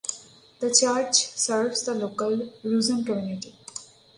The church serves the local Rusyn community.